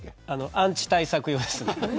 アンチ対策用です。